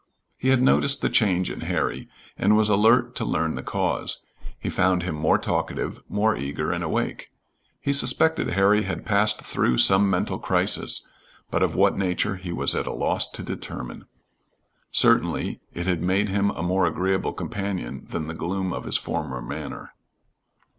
He had noticed the change in Harry, and was alert to learn the cause. He found him more talkative, more eager and awake. He suspected Harry had passed through some mental crisis, but of what nature he was at a loss to determine. Certainly it had made him a more agreeable companion than the gloom of his former manner.